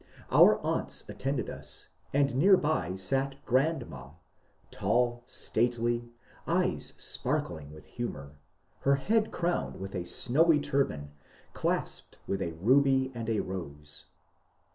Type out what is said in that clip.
Our aunts attended us, and near by sat ^^ grandma," — tall, stately, eyes sparkling with humour, her head crowned with a snowy turban, clasped with a ruby and a rose.